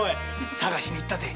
探しに行ったぜ。